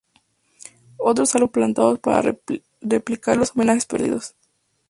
Otros árboles han sido plantados para replicar los homenajes perdidos.